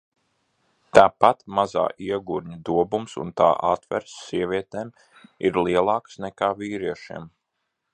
Tāpat mazā iegurņa dobums un tā atveres sievietēm ir lielākas nekā vīriešiem.